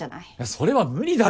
それは無理だろ。